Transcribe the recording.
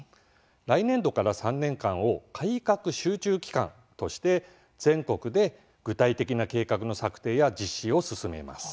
来年度から３年間を改革集中期間として全国で具体的な計画の策定や実施を進めます。